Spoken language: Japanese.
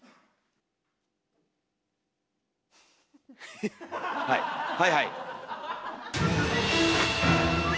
ヘヘはいはいはい。